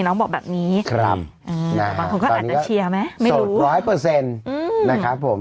น้องบอกแบบนี้ครับอืมตอนนี้ก็สดร้อยเปอร์เซ็นต์นะครับผม